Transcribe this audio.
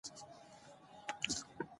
د وينې فشار منظم وڅارئ.